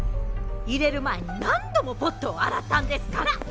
いれる前に何度もポットを洗ったんですから！